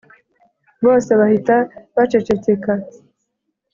bose bahita bacecekeka